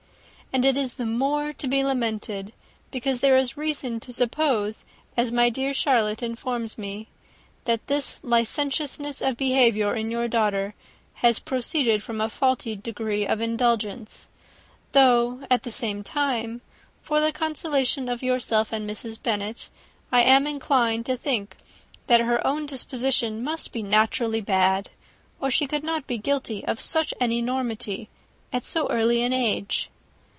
And it is the more to be lamented, because there is reason to suppose, as my dear Charlotte informs me, that this licentiousness of behaviour in your [Illustration: "To whom I have related the affair" [Copyright 1894 by George Allen.]] daughter has proceeded from a faulty degree of indulgence; though, at the same time, for the consolation of yourself and Mrs. Bennet, I am inclined to think that her own disposition must be naturally bad, or she could not be guilty of such an enormity, at so early an age.